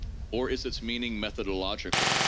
Or is its meaning methodological?